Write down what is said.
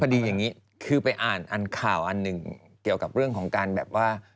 ดีอย่างนี้คือไปอ่านอันข่าวอันหนึ่งเกี่ยวกับเรื่องของการแบบว่า